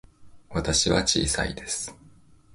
私は小さいです。